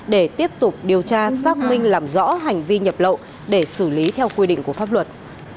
để tiếp tục điều tra xác minh làm rõ hành vi nhập lậu để xử lý theo quy định của pháp luật